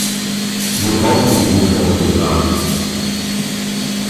Wir brauchen diesen Forschungsrat.